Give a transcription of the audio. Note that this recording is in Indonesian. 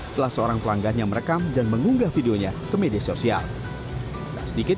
setelah seorang pelanggan yang merekam dan mengunggah videonya ke media sosial sedikit